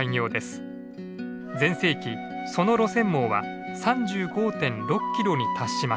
全盛期その路線網は３５．６キロに達しました。